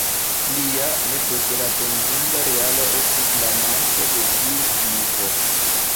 Plia nepreteratentinda realo estis la manko de tiu slipo.